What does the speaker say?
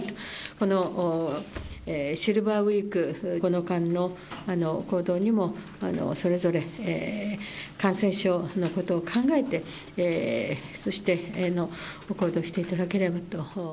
このシルバーウイーク、この間の行動にもそれぞれ感染症のことを考えて、そして行動していただければと。